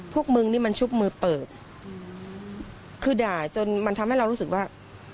พวกมึงนี่มันชุบมือเปิดคือด่าจนมันทำให้เรารู้สึกว่า